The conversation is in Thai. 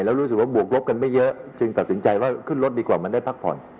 แล้วรู้สึกว่าบวกลบกันไม่เยอะจึงตัดสินใจว่าขึ้นรถดีกว่ามันได้พักผ่อน